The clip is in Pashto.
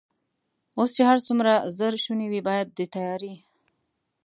اوس چې هر څومره ژر شونې وي، باید د تیارې.